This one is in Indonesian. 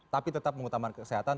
tapi tetap mengutamakan kesehatan